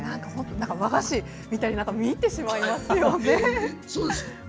和菓子みたいに見入ってしまいますよね。